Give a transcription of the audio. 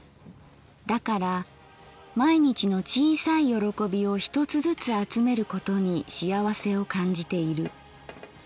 だから毎日の小さい喜びを一つずつ集めることにしあわせを感じている。